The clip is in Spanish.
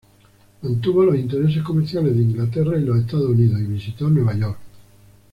Mantuvo los intereses comerciales de Inglaterra y los Estados Unidos y visitó Nueva York.